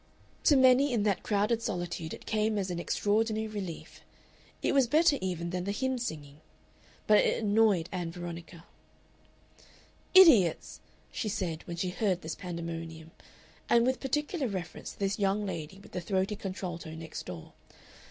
To many in that crowded solitude it came as an extraordinary relief. It was better even than the hymn singing. But it annoyed Ann Veronica. "Idiots!" she said, when she heard this pandemonium, and with particular reference to this young lady with the throaty contralto next door.